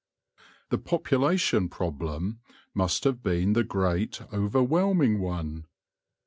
The population problem must have been the great, over whelming one.